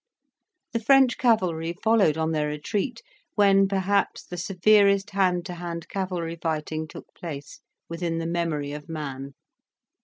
The French cavalry followed on their retreat, when, perhaps, the severest hand to hand cavalry fighting took place within the memory of man.